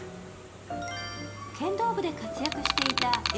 剣道部で活躍していた円